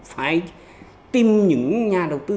phải tìm những nhà đầu tư